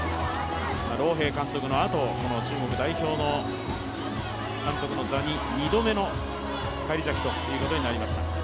ロウ・ヘイ監督のあとこの中国代表の監督の座に、２度目の返り咲きということになりました。